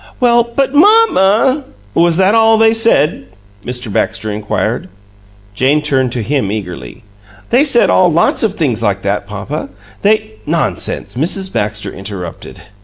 "Well, but MAMMA " "Was that all they said?" Mr. Baxter inquired. Jane turned to him eagerly. "They said all lots of things like that, papa. They " "Nonsense!" Mrs. Baxter in interrupted.